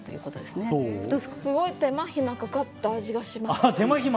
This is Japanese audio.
すごい手間暇がかかった味がします。